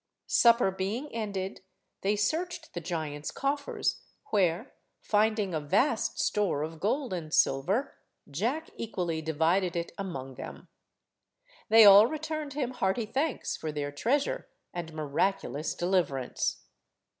Supper being ended, they searched the giants' coffers, where, finding a vast store of gold and silver, Jack equally divided it among them. They all returned him hearty thanks for their treasure and miraculous deliverance.